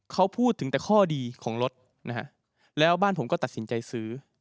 เขาพูดถึงแต่ข้อดีของรถนะฮะแล้วบ้านผมก็ตัดสินใจซื้อ